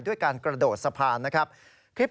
ด้วยการกระโดดสะพานนะครับ